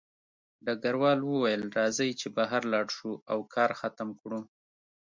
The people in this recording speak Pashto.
ډګروال وویل راځئ چې بهر لاړ شو او کار ختم کړو